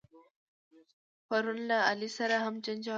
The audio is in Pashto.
پرون له علي سره هم جنجال وکړ.